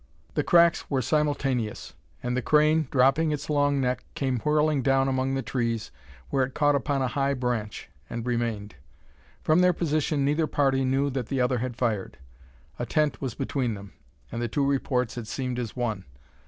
The cracks were simultaneous; and the crane, dropping its long neck, came whirling down among the trees, where it caught upon a high branch, and remained. From their position neither party knew that the other had fired. A tent was between them, and the two reports had seemed as one.